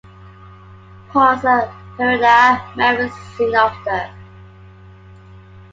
Pons and Pereda married soon after.